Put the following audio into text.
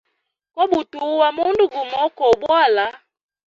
Kobutuwa mundu gumo kowa bwala.